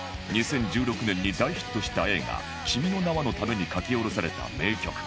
２０１６年に大ヒットした映画『君の名は。』のために書き下ろされた名曲